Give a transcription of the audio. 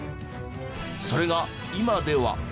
それが今では。